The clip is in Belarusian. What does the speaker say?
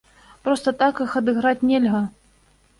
Проста так іх адыграць нельга.